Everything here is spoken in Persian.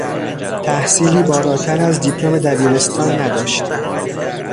تحصیلی بالاتر از دیپلم دبیرستان نداشت.